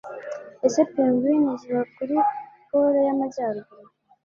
Ese pingwin ziba kuri Pole y'Amajyaruguru?